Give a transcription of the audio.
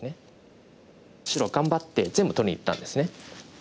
白頑張って全部取りにいったんですね。